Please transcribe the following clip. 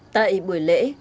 tại buổi lễ